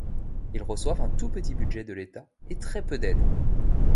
Ils reçoivent un tout petit budget de l'État et très peu d'aides.